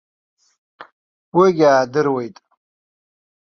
Уигьы аадыруеит.